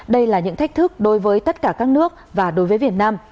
đây là những thách thức đối với tất cả các nước và đối với việt nam